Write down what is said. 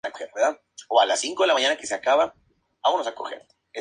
Destaca la caza de perdices, liebres y algunos lobo.